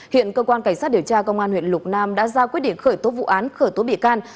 hiện cơ quan cảnh sát điều tra công an huyện lục nam đã ra quyết định khởi tố vụ án khởi tố bị can